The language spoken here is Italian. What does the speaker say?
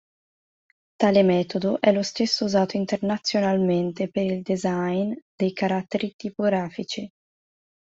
Tale metodo è lo stesso usato internazionalmente per il design dei caratteri tipografici.